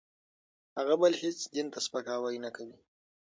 هغه بل هېڅ دین ته سپکاوی نه کوي.